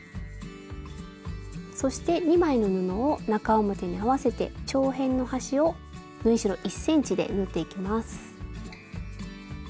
そして２枚の布を中表に合わせて長辺の端を縫い代１ｃｍで縫っていきます。